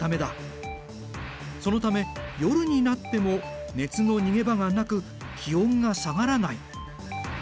そのため夜になっても熱の逃げ場がなく気温が下がらない。